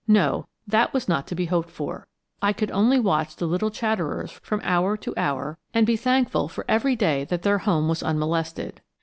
No, that was not to be hoped for. I could only watch the little chatterers from hour to hour and be thankful for every day that their home was unmolested.